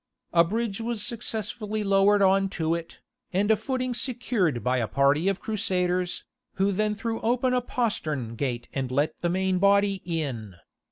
A bridge was successfully lowered on to it, and a footing secured by a party of Crusaders, who then threw open a postern gate and let the main body in.